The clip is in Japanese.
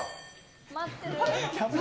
待ってる。